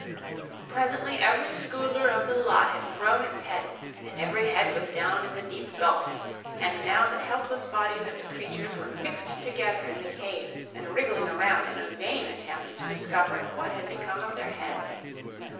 Presently every Scoodler of the lot had thrown its head, and every head was down in the deep gulf, and now the helpless bodies of the creatures were mixed together in the cave and wriggling around in a vain attempt to discover what had become of their heads.